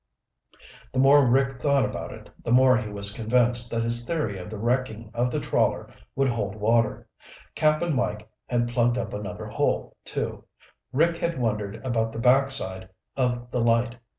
The more Rick thought about it, the more he was convinced that his theory of the wrecking of the trawler would hold water. Cap'n Mike had plugged up another hole, too. Rick had wondered about the backside of the light.